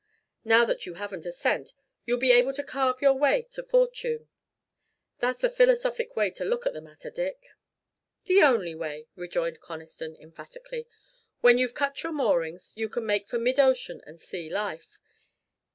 Now that you haven't a cent, you'll be able to carve your way to fortune." "That's a philosophic way to look at the matter, Dick." "The only way," rejoined Conniston, emphatically. "When you've cut your moorings you can make for mid ocean and see life.